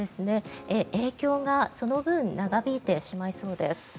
影響がその分長引いてしまいそうです。